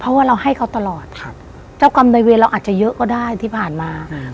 เพราะว่าเราให้เขาตลอดครับเจ้ากรรมในเวรเราอาจจะเยอะก็ได้ที่ผ่านมาอืม